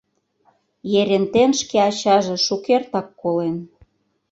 Ерентен шке ачаже шукертак колен.